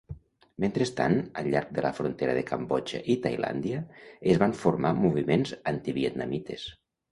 Mentrestant, al llarg de la frontera de Cambodja i Tailàndia es van formar moviments anti-vietnamites.